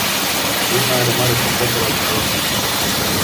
Lumea are mari așteptări de la dumneavoastră.